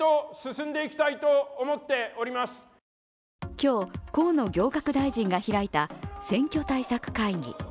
今日、河野行革大臣が開いた選挙対策会議。